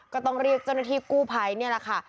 ก็ต้องเรียกเจ้าหน้าที่กู้ภัยนี่แหละค่ะ